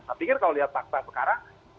saya pikir kalau lihat fakta sekarang